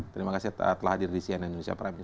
terima kasih telah hadir di cnn indonesia prime news